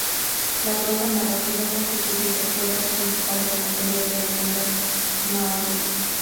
La prosa narrativa constituye el cuerpo principal del material de leyendas maoríes.